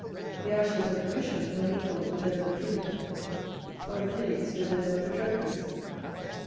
The ashes of Domitian were mingled with those of Julia; of Achilles with those of Patroclus.